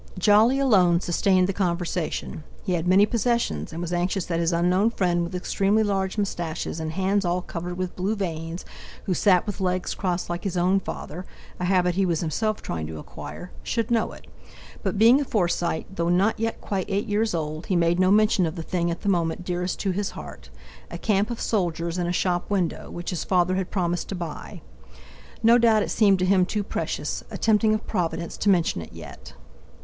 Jolly alone sustained the conversation; he had many possessions, and was anxious that his unknown friend with extremely large moustaches, and hands all covered with blue veins, who sat with legs crossed like his own father (a habit he was himself trying to acquire), should know it; but being a Forsyte, though not yet quite eight years old, he made no mention of the thing at the moment dearest to his heart—a camp of soldiers in a shop window, which his father had promised to buy. No doubt it seemed to him too precious; a tempting of Providence to mention it yet.